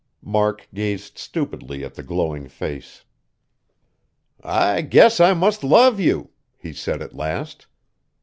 Mark gazed stupidly at the glowing face. "I guess I must love you!" he said at last.